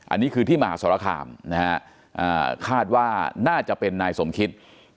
อันนี้คือที่มหาสรคามนะฮะคาดว่าน่าจะเป็นนายสมคิต